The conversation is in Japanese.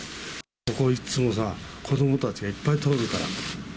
ここはいつもさ、子どもたちがいっぱい通るから。